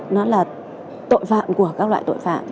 nó là tội phạm của các loại tội phạm